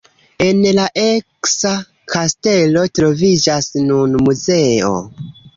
En la eksa kastelo troviĝas nun muzeo.